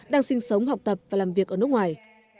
đang sinh sống học tập và làm việc ở nước ngoài